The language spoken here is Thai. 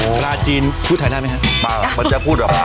เวลาจีนพูดทัยหน้าไหมคะว่าจะพูดค่ะ